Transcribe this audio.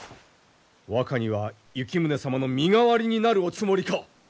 若には行宗様の身代わりになるおつもりか！